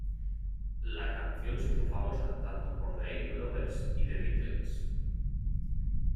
La canción se hizo famosa tanto por The Isley Brothers y The Beatles.